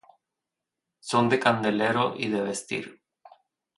Son de candelero y de vestir.